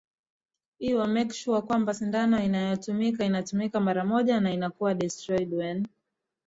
i wa make sure kwamba sindano wanayoitumia inatumika mara moja na inakuwa destroyed when